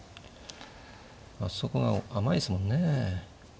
そこが甘いですもんね。